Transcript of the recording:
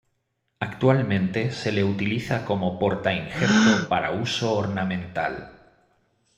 Actualmente se le utiliza como porta‐injerto para uso ornamental.